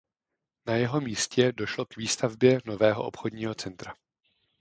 Na jeho místě došlo k výstavbě nového obchodního centra.